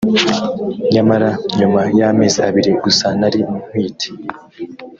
nyamara nyuma y’ amezi abiri gusa nari ntwite